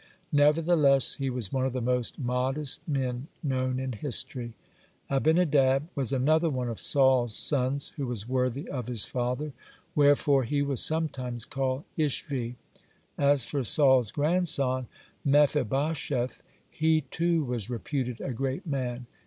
(108) Nevertheless he was one of the most modest men known in history. (109) Abinadab was another one of Saul's sons who was worthy of his father, wherefore he was sometimes called Ishvi. (110) As for Saul's grandson Mephibosheth. He, too, was reputed a great man.